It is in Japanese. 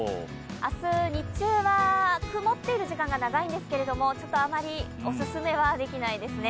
明日日中は曇っている時間が長いんですけど、あまりお勧めはできないですね。